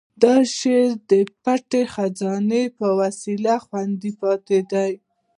دا شعر د پټې خزانې په وسیله خوندي پاتې دی.